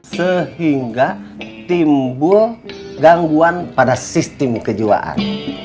sehingga timbul gangguan pada sistem kejiwaan